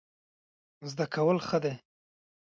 زده کول ښه دی.